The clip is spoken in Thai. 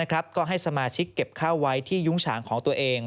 ก็ให้สมาชิกเก็บข้าวไว้ที่ยุ้งฉางของตัวเอง